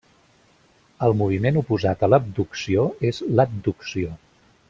El moviment oposat a l'abducció és l'adducció.